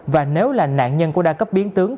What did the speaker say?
và nếu là nạn nhân của đa cấp biến tướng